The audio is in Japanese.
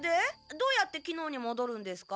どうやってきのうにもどるんですか？